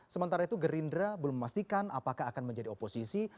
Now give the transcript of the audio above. sementara itu gerindra belum memastikan apakah akan menjadi oposisi